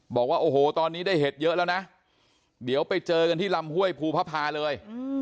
บอกว่าโอ้โหตอนนี้ได้เห็ดเยอะแล้วนะเดี๋ยวไปเจอกันที่ลำห้วยภูพภาเลย